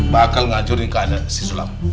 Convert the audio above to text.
bakal ngacurin keadaan si sulam